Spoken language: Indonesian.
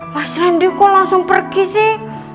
mas randy kok langsung pergi sih